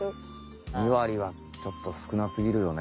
２割はちょっとすくなすぎるよね。